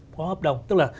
có hợp đồng tức là